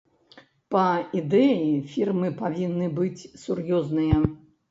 Па ідэі, фірмы павінны быць сур'ёзныя.